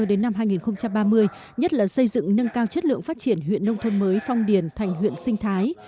đến năm hai nghìn ba mươi nhất là xây dựng nâng cao chất lượng phát triển huyện nông thôn mới phong điền thành huyện sinh thái